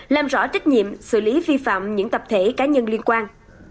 làm rõ trách nhiệm xử lý vi phạm những tập thể cá nhân liên quan